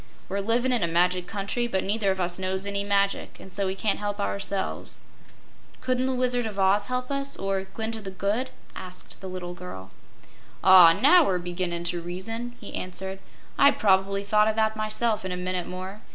We're livin' in a magic country, but neither of us knows any magic an' so we can't help ourselves." "Couldn't the Wizard of Oz help us or Glinda the Good?" asked the little girl. "Ah, now we're beginnin' to reason," he answered. "I'd probably thought o' that, myself, in a minute more.